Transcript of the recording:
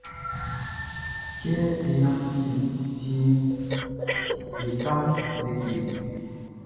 Kɛ é nánti titiʼn, e saʼm be keje.